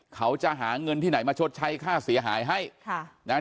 เขาจะหาเงินที่ไหนมาชดใช้ค่าเสียหายให้ค่ะนะฮะ